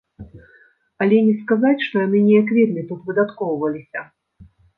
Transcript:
Але не сказаць, што яны неяк вельмі тут выдаткоўваліся.